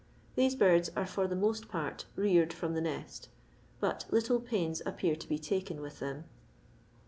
These birds are for the most part reared from the nest, but little pains appear to be taken with them.